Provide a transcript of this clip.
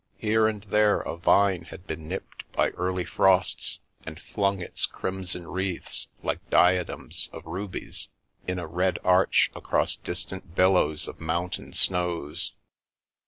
Here and there a vine had been nipped by early frosts and flung its crimson wreaths, like diadems of rubies, in a red arch across distant billows of mountain snows.